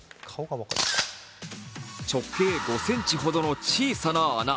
直径５ｃｍほどの小さな穴。